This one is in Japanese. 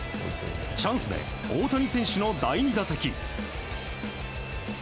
チャンスで大谷選手の第２打席。